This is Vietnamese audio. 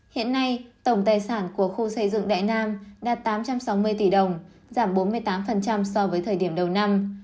hiện nay tổng tài sản của khu xây dựng đại nam đạt tám trăm sáu mươi tỷ đồng giảm bốn mươi tám so với thời điểm đầu năm